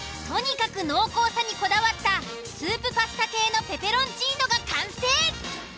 とにかく濃厚さにこだわったスープパスタ系のペペロンチーノが完成！